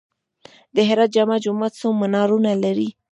د هرات جامع جومات څو منارونه لري؟